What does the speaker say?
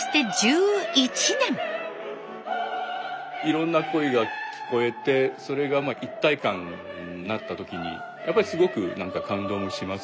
いろんな声が聞こえてそれが一体感になった時にやっぱりすごく何か感動もしますしね。